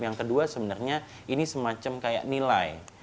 yang kedua sebenarnya ini semacam kayak nilai